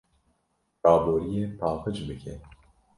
Raboriyê paqij bike.